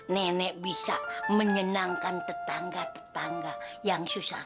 nenek bisa menyenangkan tetangga tetangga yang susah